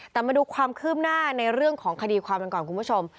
แต่มาดูความคืบหน้าในเรื่องของคดีความกันก่อนคุณผู้ชม